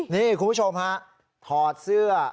นี่คุณผู้ชมฮะถอดเสื้อ